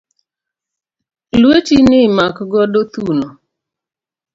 Lwetini makgodo thuno